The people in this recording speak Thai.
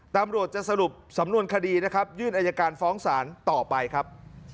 ตำรวจจะสรุปสำนวนคดีนะครับยื่นอายการฟ้องศาลต่อไปครับ